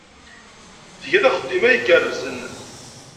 Tgiḍ axeddim ay igerrzen.